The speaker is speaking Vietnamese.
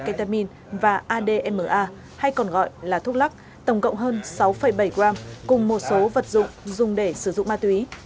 ketamin và adma hay còn gọi là thuốc lắc tổng cộng hơn sáu bảy gram cùng một số vật dụng dùng để sử dụng ma túy